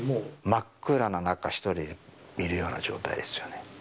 真っ暗な中、１人でいるような状態ですよね。